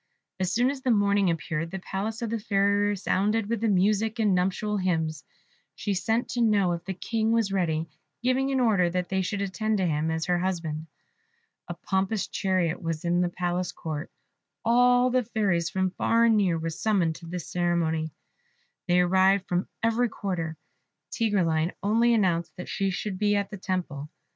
As soon as the morning appeared, the palace of the Fairy resounded with music and nuptial hymns; she sent to know if the King was ready, giving an order that they should attend to him as her husband. A pompous chariot was in the palace court. All the fairies from far and near were summoned to this ceremony; they arrived from every quarter. Tigreline only announced that she should be at the temple.